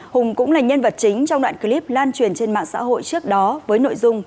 hùng cũng là nhân vật chính trong đoạn clip lan truyền trên mạng xã hội trước đó với nội dung